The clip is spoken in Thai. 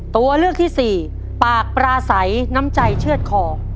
ตัวเลือกที่สี่ปากปราศัยน้ำใจเชื่อดคอ